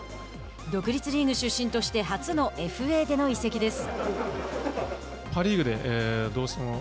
独立リーグ出身として初のＦＡでの移籍です。